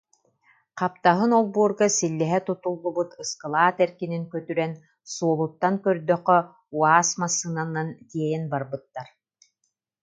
Хаптаһын олбуорга силлиһэ тутуллубут ыскылаат эркинин көтүрэн, суолуттан көрдөххө «УАÇ» массыынанан тиэйэн барбыттар